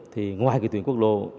thì ngoài cái tuyển quốc lộ